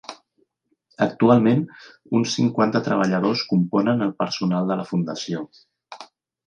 Actualment, uns cinquanta treballadors componen el personal de la fundació.